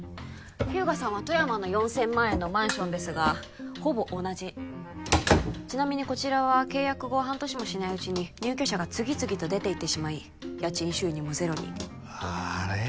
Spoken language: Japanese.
日向さんは富山の４０００万円のマンションですがほぼ同じちなみにこちらは契約後半年もしないうちに入居者が次々と出ていってしまい家賃収入もゼロにあれ？